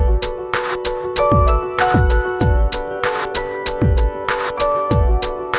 หลายร่วมเป็นที่งำลัง